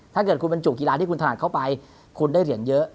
ถ้าเกิดคุณบรรจุกีฬาที่คุณถนัดเข้าไปคุณได้เหรียญเยอะ